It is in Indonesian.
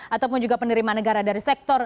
ataupun juga penerimaan negara dari sektor